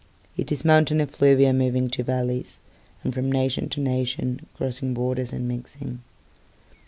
It is mountain effluviaMoving to valleysAnd from nation to nationCrossing borders and mixing.